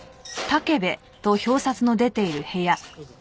どうぞ。